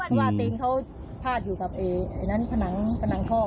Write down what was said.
เพราะว่าติงเขาพลาดอยู่กับไอ้ไอ้นั้นผนังผนังข้ออืม